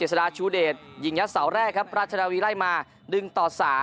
สดาชูเดชยิงยัดเสาแรกครับราชนาวีไล่มา๑ต่อ๓